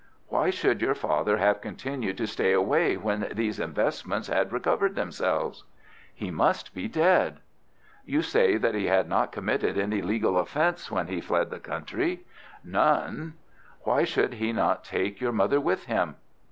"Why should your father have continued to stay away when these investments had recovered themselves?" "He must be dead." "You say that he had not committed any legal offence when he fled the country?" "None." "Why should he not take your mother with him?"